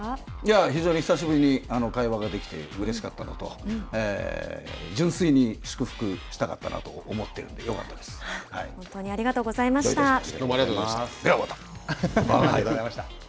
非常に久しぶりに会話ができてうれしかったのと純粋に祝福したかったなと思ってるんで本当にでは、また！